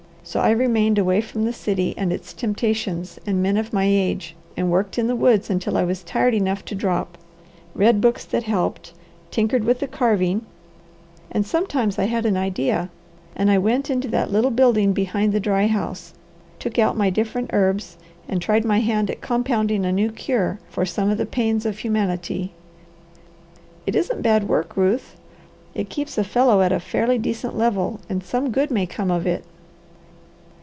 So I remained away from the city and its temptations and men of my age, and worked in the woods until I was tired enough to drop, read books that helped, tinkered with the carving, and sometimes I had an idea, and I went into that little building behind the dry house, took out my different herbs, and tried my hand at compounding a new cure for some of the pains of humanity. It isn't bad work, Ruth. It keeps a fellow at a fairly decent level, and some good may come of it.